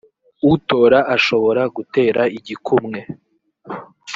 utora ashobora gutera igikumwe